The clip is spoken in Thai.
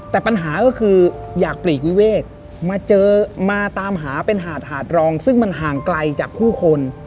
แต่ปัญหาก็คืออยากปลีกวิเวกมาเจอมาตามหาเป็นหาดหาดรองซึ่งมันห่างไกลจากผู้คน